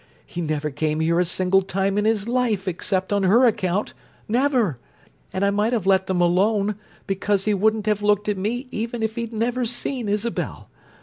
He never came here a single time in his life except on her account, never! and I might have let them alone, because he wouldn't have looked at me even if he'd never seen Isabel.